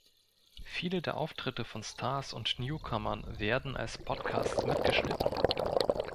Viele der Auftritte von Stars und Newcomern werden als Podcasts mitgeschnitten.